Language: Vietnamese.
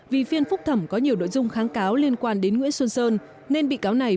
vì phiên phúc thẩm có nhiều nội dung kháng cáo liên quan đến nguyễn xuân sơn nên bị cáo này